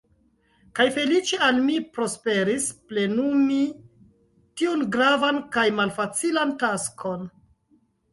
Kaj feliĉe al mi prosperis plenumi tiun gravan kaj malfacilan taskon.